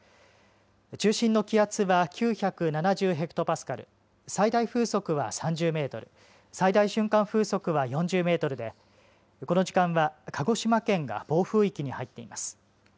中心の気圧は９７０ヘクトパスカル、最大風速は３０メートル、最大瞬間風速は４０メートルでこの時間は、鹿児島県が暴風域に入っています。